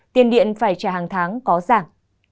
tiền điện phải trả hàng tháng có giảm